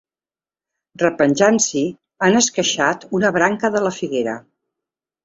Repenjant-s'hi, han esqueixat una branca de la figuera.